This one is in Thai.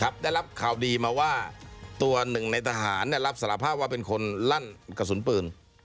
ได้รับข่าวดีมาว่าตัวหนึ่งในทหารรับสารภาพว่าเป็นคนลั่นกระสุนปืน